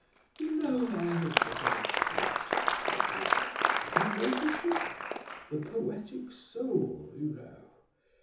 "You know I am a bit of a poet," said he. "Have you noticed it? The poetic soul, you know."